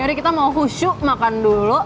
yaudah kita mau husyu makan dulu